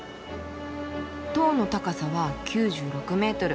「塔の高さは９６メートル。